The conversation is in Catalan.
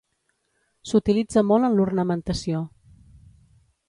S’utilitza molt en l’ornamentació.